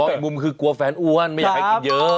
แต่อีกมุมคือกลัวแฟนอ้วนไม่อยากให้กินเยอะ